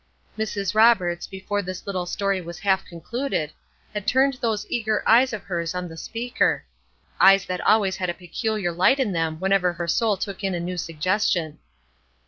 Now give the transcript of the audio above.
Mrs. Roberts, before this little story was half concluded, had turned those eager eyes of hers on the speaker eyes that always had a peculiar light in them whenever her soul took in a new suggestion.